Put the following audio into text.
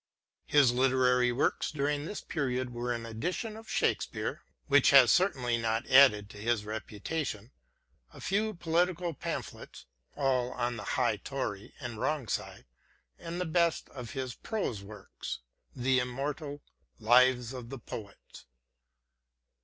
His literary works during this period were an edition of Shakespeare, which has certainly not added to his reputation ; a few political pam phlets, all on the High Tory and wrong side '; and the best of his prose works — the immortal " Lives of the Poets."